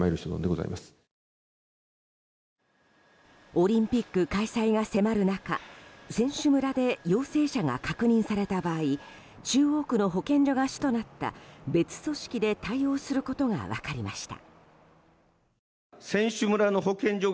オリンピック開催が迫る中選手村で陽性者が確認された場合中央区の保健所が主となった別組織で対応することが分かりました。